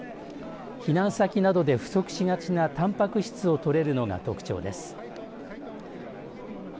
避難先などで不足しがちなたんぱく質をとれるのが特徴です。